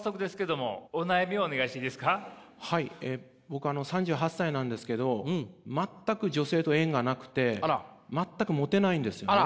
僕３８歳なんですけど全く女性と縁がなくて全くモテないんですよね。